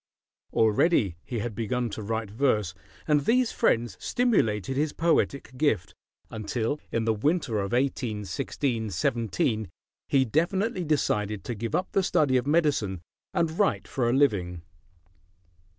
Already he had begun to write verse, and these friends stimulated his poetic gift, until in the winter of 1816 17 he definitely decided to give up the study of medicine and write for a living.